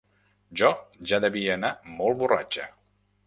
Jo ja devia anar molt borratxa.